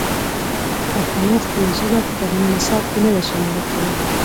پښتنو خپله ژبه په تعلیمي نصاب کې نه ده شامل کړې.